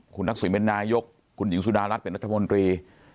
คุณทักษิณเป็นนายกคุณหญิงสุดารัฐเป็นรัฐมนตรี